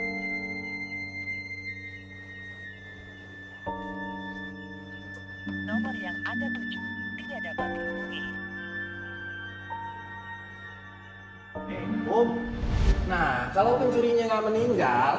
nah kalau pencurinya nggak meninggal